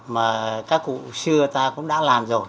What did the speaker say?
mà các cụ xưa ta cũng đã làm rồi